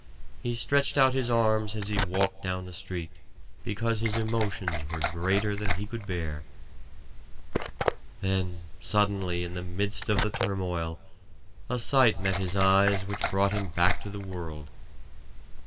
He stretched out his arms as he walked down the street, because his emotions were greater than he could bear. Then suddenly, in the midst of the turmoil, a sight met his eyes which brought him back to the world.